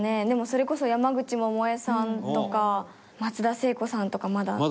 でも、それこそ山口百恵さんとか松田聖子さんとか、まだ。